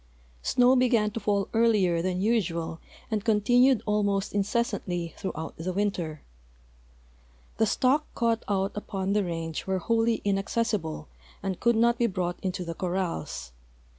Snow began to fall earlier than usual and continued almost incessantly throughout the winter. 'Fhe stock caught out U})on the range were wholly inaccessible and could not be brought into the cor rals.